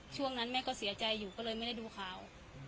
ช่วงนั้นแม่ก็เสียใจอยู่ก็เลยไม่ได้ดูเขา